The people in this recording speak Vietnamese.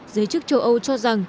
giới chức châu âu cho rằng